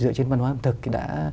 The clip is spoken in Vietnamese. dựa trên văn hóa ẩm thực đã